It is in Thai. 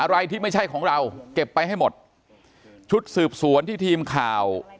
อะไรที่ไม่ใช่ของเราเก็บไปให้หมดชุดสืบสวนที่ทีมข่าว